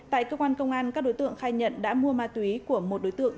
tại cơ quan công an các đối tượng khai nhận đã mua ma túy của một đối tượng